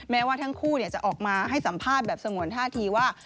แม้ว่าทั้งคู่จะออกมาให้สัมภาษณ์แบบสงวนท่าทีว่า